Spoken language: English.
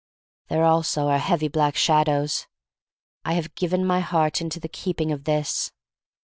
There also are heavy black shadows. I have given my heart into the keep ing of this.